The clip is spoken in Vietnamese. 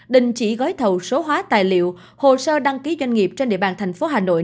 đình chỉ gói thầu số hóa tài liệu hồ sơ đăng ký doanh nghiệp trên địa bàn thành phố hà nội